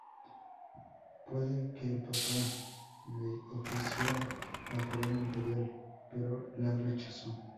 Puede que el papa le ofreciera la corona imperial, pero la rechazó.